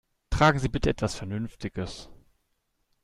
Tragen Sie bitte etwas Vernünftiges!